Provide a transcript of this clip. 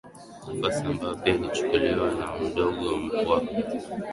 Nafasi ambayo pia ilichukuliwa na mdogo wake